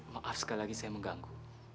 maaf sekali lagi saya mengganggu